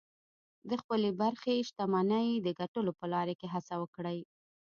د خپلې برخې شتمنۍ د ګټلو په لاره کې هڅه وکړئ